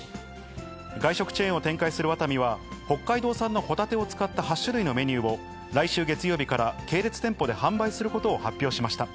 外食チェーンを展開するワタミは、北海道産のホタテを使った８種類のメニューを、来週月曜日から、系列店舗で販売することを発表しました。